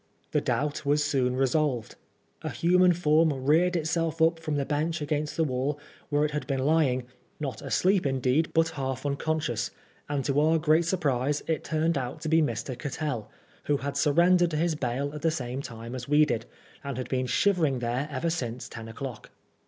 The doubt was soon resolved. A human form reared itself up from the bench against the wall, where it had been lying, not asleep indeed, but half unconscious ; and to our great surprise, it turned out to be Mr. Cattell, who had surrendered to his bail at the same time as we did, and had been shivering there ever since ten o'clock.